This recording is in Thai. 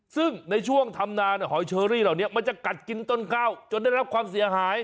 ซึ่งในช่วงทำนานหอยเชอรี่เหล่านี้มันจะกัดกินต้นข้าวจนได้รับความเสียหาย